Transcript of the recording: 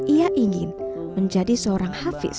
ia ingin menjadi seorang hafiz